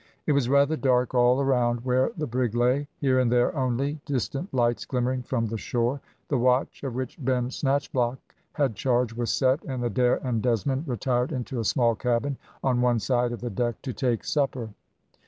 It was rather dark all around where the brig lay; here and there only, distant lights glimmering from the shore. The watch, of which Ben Snatchblock had charge, was set, and Adair and Desmond retired into a small cabin on one side of the deck to take supper.